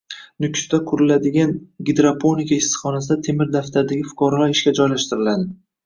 Nukusda quriladigan gidroponika issiqxonasiga “Temir daftar”dagi fuqarolar ishga joylashtiriladi